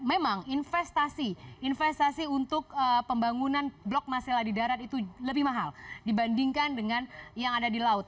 memang investasi investasi untuk pembangunan blok masela di darat itu lebih mahal dibandingkan dengan yang ada di laut